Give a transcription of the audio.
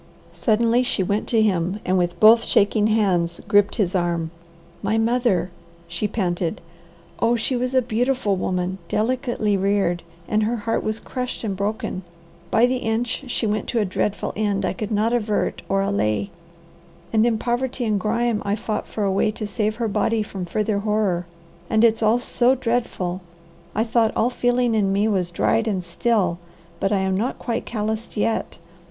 Suddenly she went to him and with both shaking hands gripped his arm. "My mother!" she panted. "Oh she was a beautiful woman, delicately reared, and her heart was crushed and broken. By the inch she went to a dreadful end I could not avert or allay, and in poverty and grime I fought for a way to save her body from further horror, and it's all so dreadful I thought all feeling in me was dried and still, but I am not quite calloused yet.